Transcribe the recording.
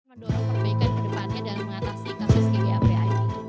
mendorong perbaikan di depannya dalam mengatasi kasus kgap ini